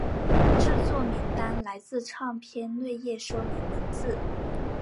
制作名单来自唱片内页说明文字。